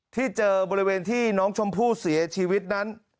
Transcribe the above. ที่เจอบริเวณที่น้องชมพู่เสียชีวิตนั้น